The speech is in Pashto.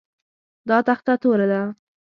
دا تخته توره ده